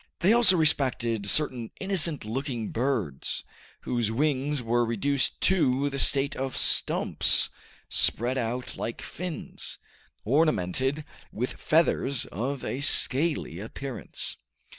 They also respected certain innocent looking birds, whose wings were reduced to the state of stumps, spread out like fins, ornamented with feathers of a scaly appearance.